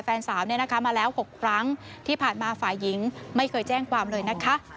แฟนสาวเนี่ยนะคะมาแล้ว๖ครั้งที่ผ่านมาฝ่ายหญิงไม่เคยแจ้งความเลยนะคะ